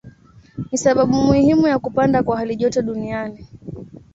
Ni sababu muhimu ya kupanda kwa halijoto duniani.